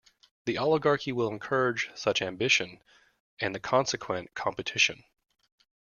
The Oligarchy will encourage such ambition and the consequent competition.